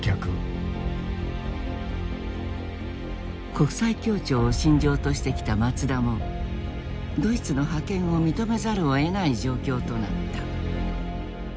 国際協調を信条としてきた松田もドイツの覇権を認めざるをえない状況となった。